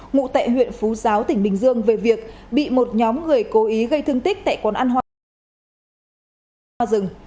ngụ tại huyện phú giáo tỉnh bình dương về việc bị một nhóm người cố ý gây thương tích tại quán ăn hoa rừng